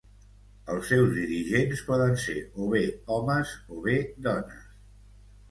Els seus dirigents poden ser o bé homes o bé dones.